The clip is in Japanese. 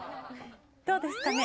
どうですかね？